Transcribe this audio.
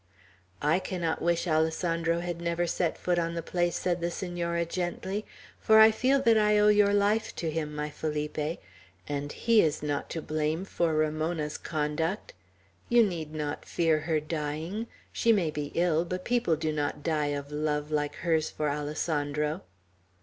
"I cannot wish Alessandro had never set foot on the place," said the Senora, gently, "for I feel that I owe your life to him, my Felipe; and he is not to blame for Ramona's conduct. You need not fear her dying, She may be ill; but people do not die of love like hers for Alessandro."